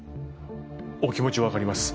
お気持ち分かります